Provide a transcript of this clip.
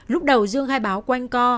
lúc đầu dương khai báo quanh co